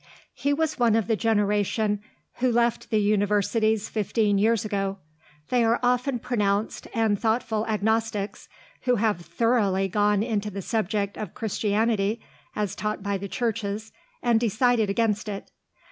He was one of the generation who left the universities fifteen years ago; they are often pronounced and thoughtful agnostics, who have thoroughly gone into the subject of Christianity as taught by the Churches, and decided against it.